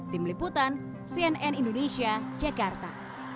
tim liputan cnn indonesia jakarta